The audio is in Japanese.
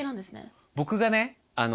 僕がね